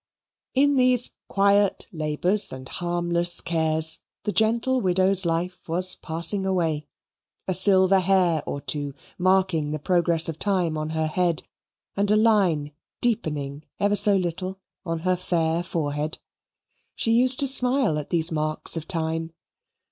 In these quiet labours and harmless cares the gentle widow's life was passing away, a silver hair or two marking the progress of time on her head and a line deepening ever so little on her fair forehead. She used to smile at these marks of time.